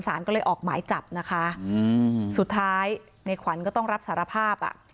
สารก็เลยออกหมายจับนะคะอืมสุดท้ายในขวัญก็ต้องรับสารภาพอ่ะ